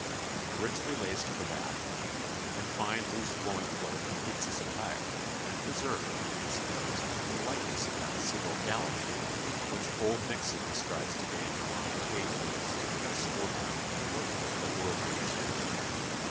A richly laced cravat, and fine loose flowing cloak completes his attire, and preserve, we may suppose, the likeness of that civic "gallantry" which Oldmixon ascribes to Daniel on the occasion of his escorting King William to the Lord Mayor's feast.